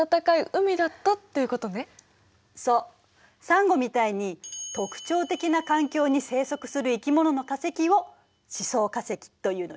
サンゴみたいに特徴的な環境に生息する生き物の化石を示相化石というのよ。